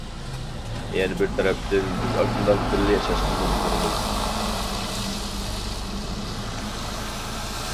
يەنە بىر تەرەپتىن، بىز ئاشۇنداق بىللە ياشاشقا مەجبۇرمىز.